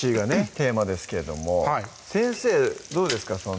テーマですけれども先生どうですか？